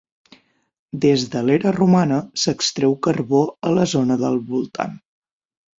Des de l'era romana, s'extreu carbó a la zona del voltant.